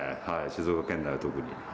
静岡県内は特に。